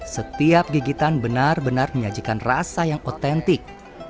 setiap gigitan benar benar menyajikan rasa yang otentik